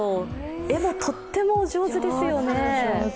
絵もとっても上手ですよね。